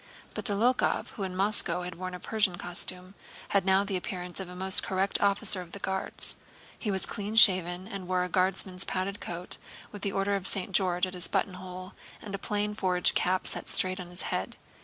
But Dólokhov, who in Moscow had worn a Persian costume, had now the appearance of a most correct officer of the Guards. He was clean shaven and wore a Guardsman's padded coat with an Order of St. George at his buttonhole and a plain forage cap set straight on his head.